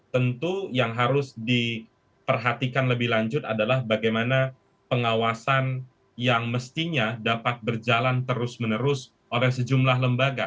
tentu yang harus diperhatikan lebih lanjut adalah bagaimana pengawasan yang mestinya dapat berjalan terus menerus oleh sejumlah lembaga